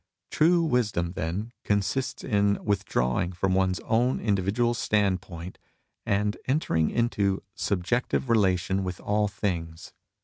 True wisdom then consists in withdrawing from one's own individual standpoint and entering into " subjective re lation with all things."